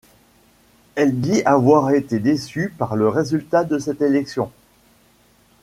Elle dit avoir été déçue par le résultat de cette élection.